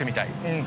うん。